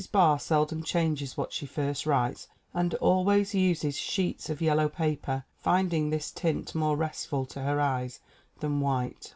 Barr seldom changes what she first writes and always uses sheets of yellow paper, finding this tint more restful to her eyes than white.